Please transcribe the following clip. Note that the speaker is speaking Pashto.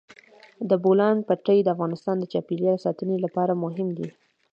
د بولان پټي د افغانستان د چاپیریال ساتنې لپاره مهم دي.